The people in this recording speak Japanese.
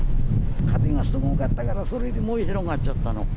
風がすごかったから、それで燃え広がっちゃったの。